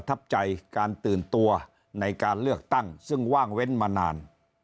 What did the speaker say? ทับใจการตื่นตัวในการเลือกตั้งซึ่งว่างเว้นมานาน